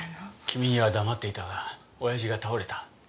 君には黙っていたが親父が倒れた。